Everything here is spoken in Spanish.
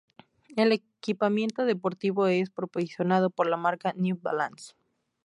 El equipamiento deportivo es proporcionado por la marca New Balance.